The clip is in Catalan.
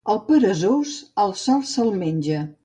Al peresós, el sol se'l menja.